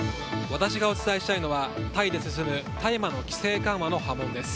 私がお伝えしたいのはタイで進む大麻の規制緩和の波紋です。